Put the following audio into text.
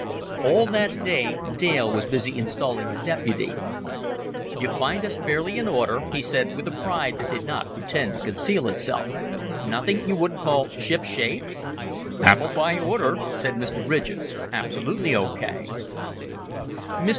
All that day Dale was busy installing the deputy. "You find us fairly in order," he said, with a pride that did not pretend to conceal itself. "Nothing you wouldn't call shipshape?" "Apple pie order," said Mr. Ridgett. "Absolutely O.K." Mr.